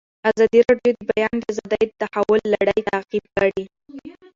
ازادي راډیو د د بیان آزادي د تحول لړۍ تعقیب کړې.